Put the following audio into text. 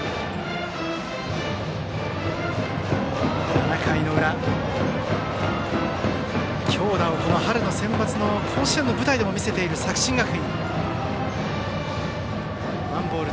７回の裏、強打を春のセンバツ甲子園の舞台でも見せている作新学院。